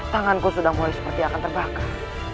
tanganku sudah mulai seperti akan terbakar